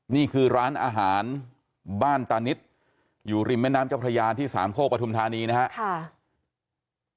นี่คือร้านอาหารบ้านตานิดอยู่ริมแม่น้ำเจ้าพระยาที่สามโคกปฐุมธานีนะครับ